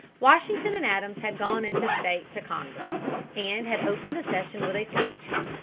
Washington and Adams had gone in state to Congress and had opened the session with a speech.